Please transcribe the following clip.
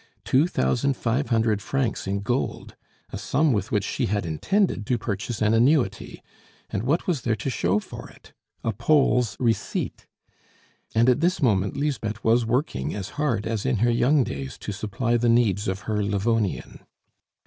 Two thousand five hundred francs in gold! a sum with which she had intended to purchase an annuity; and what was there to show for it? A Pole's receipt! And at this moment Lisbeth was working as hard as in her young days to supply the needs of her Livonian.